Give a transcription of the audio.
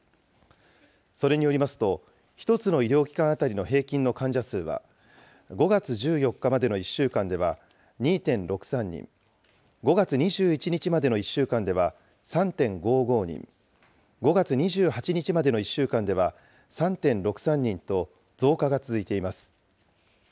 それによりますと、１つの医療機関当たりの平均の患者数は、５月１４日までの１週間では２．６３人、５月２１日までの１週間では、３．５５人、５月２８日までの１週間では３．６３人と、増加が続いています。